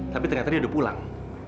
tapi ternyata dia udah pulang